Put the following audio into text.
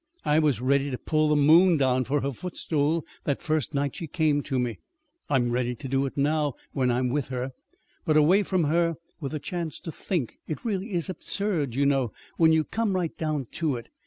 I was ready to pull the moon down for her footstool that first night she came to me. I'm ready to do it now when I'm with her. But away from her, with a chance to think, it really is absurd, you know, when you come right down to it.